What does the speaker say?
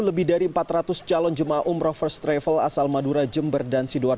lebih dari empat ratus calon jemaah umroh first travel asal madura jember dan sidoar